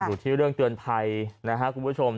อยู่ที่เรื่องเตือนภัยนะครับคุณผู้ชม